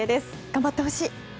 頑張ってほしい。